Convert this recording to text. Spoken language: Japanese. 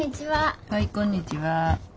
はいこんにちは。